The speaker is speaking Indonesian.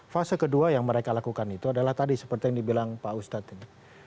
fase kedua yang mereka lakukan itu adalah tadi seperti yang dibilang pak ustadz ini